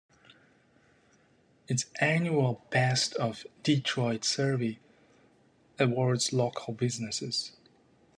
Its annual "Best of Detroit" survey awards local businesses.